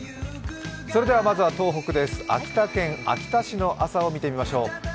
それではまずは東北です、秋田県秋田市の朝を見てみましょう。